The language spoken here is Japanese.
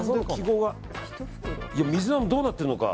水菜がどうなってるのか。